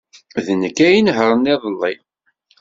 D nekk ay inehṛen iḍelli.